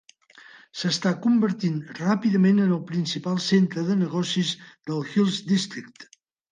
S'està convertint ràpidament en el principal centre de negocis del Hills District.